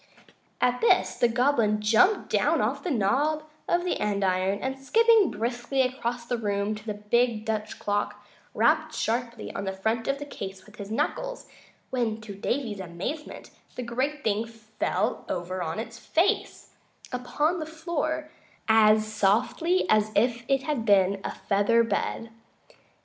At this the Goblin jumped down off the knob of the andiron, and skipping briskly across the room to the big Dutch clock, rapped sharply on the front of the case with his knuckles, when, to Davy's amazement, the great thing fell over on its face upon the floor as softly as if it had been a feather bed.